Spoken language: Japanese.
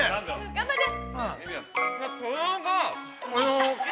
◆頑張って！